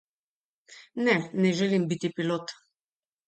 Ne, ne želim biti pilot.